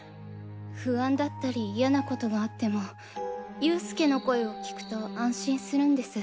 不安だったり嫌な事があっても佑助の声を聞くと安心するんです。